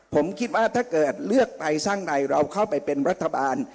ผมคิดว่าถ้าเกิดเลือกไทยสร้างในเราเข้าไปเป็นรัฐบาล